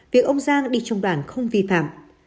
việc ông giang đi trong đoàn không vi phạm